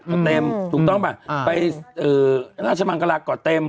ตัดเต็มถูกต้องป่ะไปราชบังกลักษณ์ก่อนเต็ม